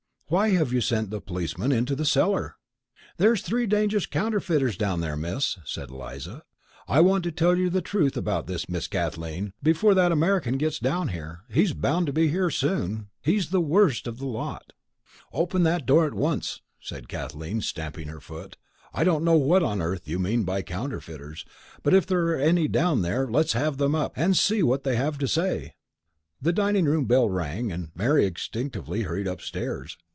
Why have you sent the policeman into the cellar?" "There's three dangerous counterfeiters down there, Miss," said Eliza. "I want to tell you the truth about this, Miss Kathleen, before that American gets down here he's bound to be here soon. He's the worst of the lot." "Open that door at once!" said Kathleen, stamping her foot. "I don't know what on earth you mean by counterfeiters, but if there are any down there, let's have them up, and see what they have to say." The dining room bell rang, and Mary instinctively hurried upstairs.